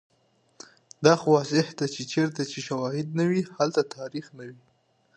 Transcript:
دا خو واضحه ده چیرته چې شوهد نه وي، هلته تاریخ نه وي